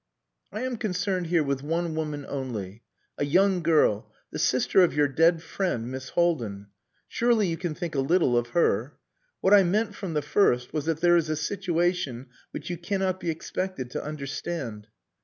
"I am concerned here with one woman only a young girl the sister of your dead friend Miss Haldin. Surely you can think a little of her. What I meant from the first was that there is a situation which you cannot be expected to understand."